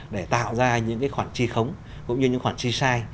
để tạo ra những khoản chi khống cũng như những khoản chi sai